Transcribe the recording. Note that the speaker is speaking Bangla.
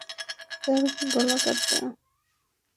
তার গলা কাটা!